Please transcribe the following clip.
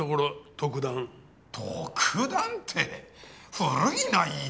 特段って古いな言い方が！